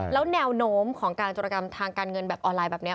แล้วแนวโน้มของการจุรกรรมทางการเงินแบบออนไลน์แบบนี้